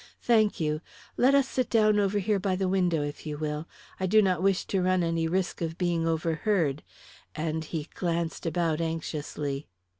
"Thank you. Let us sit down over here by the window, if you will. I do not wish to run any risk of being overheard," and he glanced about anxiously.